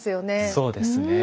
そうですね。